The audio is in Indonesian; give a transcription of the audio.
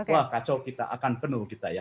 wah kacau kita akan penuh kita ya